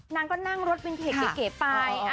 นางก็นั่งรถเป็นเก๋ไป